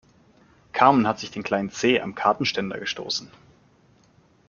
Carmen hat sich den kleinen Zeh am Kartenständer gestoßen.